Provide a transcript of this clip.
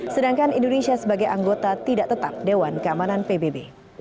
sedangkan indonesia sebagai anggota tidak tetap dewan keamanan pbb